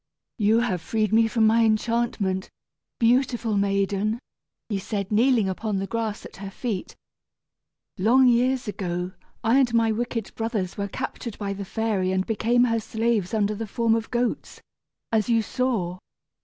"You have freed me from my enchantment, beautiful maiden," he said, kneeling upon the grass at her feet. "Long years ago I and my wicked brothers were captured by the fairy and became her slaves under the form of goats, as you saw.